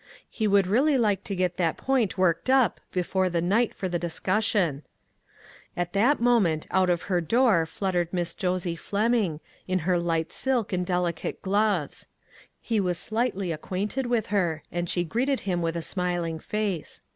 He would really like to get that point worked up before the night for the dis cussion. At that moment out from her door fluttered Miss Josie Fleming, in her light silk and delicate gloves. He was slightly acquainted with her, and she greeted him with a smiling face.